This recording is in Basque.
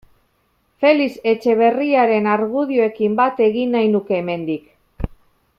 Felix Etxeberriaren argudioekin bat egin nahi nuke hemendik.